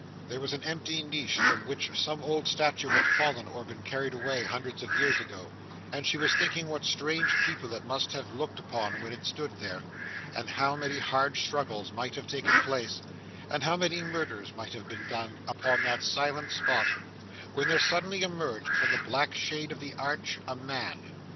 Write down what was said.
There was an empty niche from which some old statue had fallen or been carried away hundreds of years ago, and she was thinking what strange people it must have looked down upon when it stood there, and how many hard struggles might have taken place, and how many murders might have been done, upon that silent spot, when there suddenly emerged from the black shade of the arch, a man.